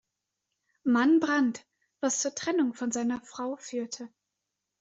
Mann Brand", was zur Trennung von seiner Frau führte.